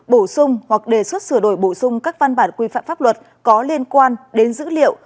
bổ sung hoặc đề xuất sửa đổi bổ sung các văn bản quy phạm pháp luật có liên quan đến dữ liệu